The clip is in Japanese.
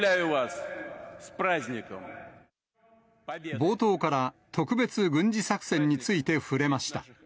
冒頭から、特別軍事作戦について触れました。